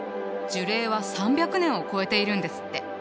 樹齢は３００年を超えているんですって！